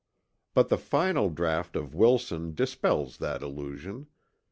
But the final draught of Wilson dispels that illusion.